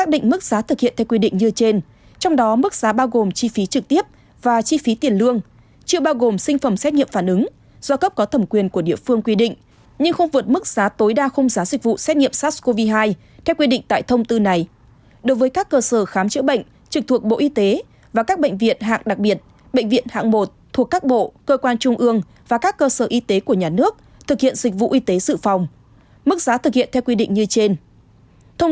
đối với các cơ sở khám bệnh chữa bệnh của nhà nước thuộc các tỉnh thành phố và các cơ sở khám chữa bệnh trực thuộc các bộ cơ quan trung ương đóng trên địa bàn địa phương đóng trên địa bàn địa phương